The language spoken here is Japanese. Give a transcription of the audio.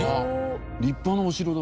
立派なお城だ。